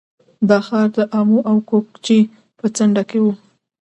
دا ښار د امو او کوکچې په څنډه کې و